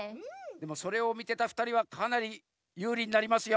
それをみてたふたりはかなりゆうりになりますよ。